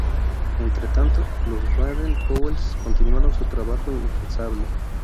Entretanto, los Baden-Powells continuaron su trabajo incansable.